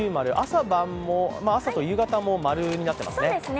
朝と夕方も○になっていますね。